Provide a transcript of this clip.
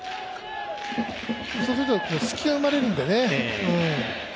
そうすると隙が生まれるんでね。